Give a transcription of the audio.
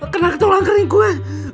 kena tulang kering gue